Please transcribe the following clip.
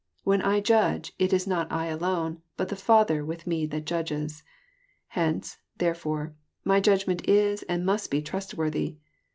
When I judge, it is not I alone, but the Father with Me that judges. Hence, therefore, my judgment is and must be trustworthy."